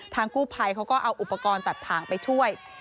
กู้ภัยเขาก็เอาอุปกรณ์ตัดถ่างไปช่วย